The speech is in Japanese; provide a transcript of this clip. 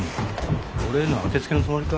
俺への当てつけのつもりか？